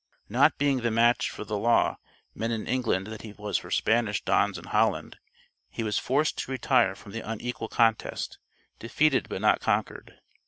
Not being the match for the law men in England that he was for Spanish dons in Holland, he was forced to retire from the unequal contest, defeated but not conquered.